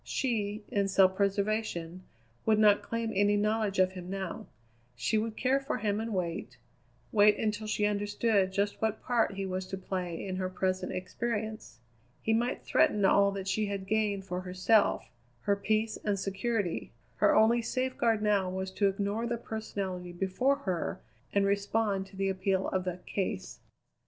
She, in self preservation, would not claim any knowledge of him now; she would care for him and wait wait until she understood just what part he was to play in her present experience. He might threaten all that she had gained for herself her peace and security. Her only safeguard now was to ignore the personality before her and respond to the appeal of the "case."